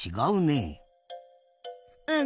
うん。